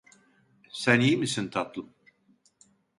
Sen iyi misin, tatlım?